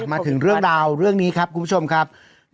มาถึงเรื่องราวเรื่องนี้ครับคุณผู้ชมครับ